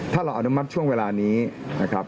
ถ้าเราอนุมัติช่วงเวลานี้นะครับ